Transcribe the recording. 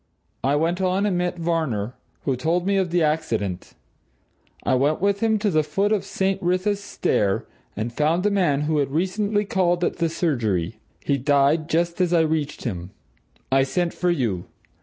I went on and met Varner, who told me of the accident. I went with him to the foot of St. Wrytha's Stair and found the man who had recently called at the surgery. He died just as I reached him. I sent for you.